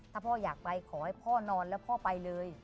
ถ้าพ่ออยากไปขอให้พ่อนอนแล้วพ่อไปเลย